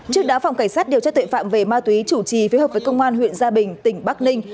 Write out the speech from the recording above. trước đá phòng cảnh sát điều tra tội phạm về ma tuế chủ trì phế hợp với công an huyện gia bình tỉnh bắc ninh